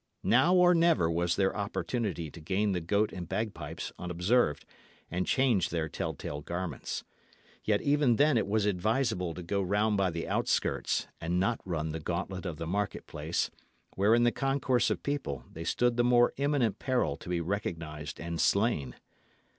Now or never was their opportunity to gain the Goat and Bagpipes unobserved and change their tell tale garments. Yet even then it was advisable to go round by the outskirts, and not run the gauntlet of the market place, where, in the concourse of people, they stood the more imminent peril to be recognised and slain.